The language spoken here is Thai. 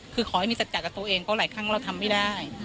คือขอให้มีสัจจะกับตัวเองเพราะหลายครั้งเราทำไม่ได้